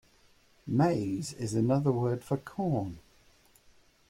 Maize is another word for corn